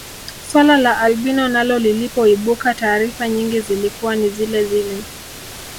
Swala la albino nalo lilipoibuka taarifa nyingi zilikuwa ni zilezile